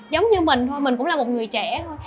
giống như mình thôi mình cũng là một người trẻ thôi